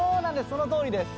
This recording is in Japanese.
そのとおりです。